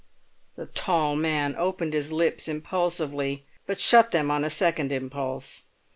The tall man opened his lips impulsively, but shut them on a second impulse.